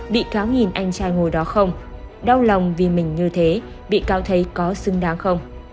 bị cáo nhìn anh trai ngồi đó không đau lòng vì mình như thế bị cáo thấy có xứng đáng không